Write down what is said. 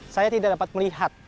saya tidak dapat melihat